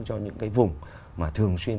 cho những cái vùng mà thường xuyên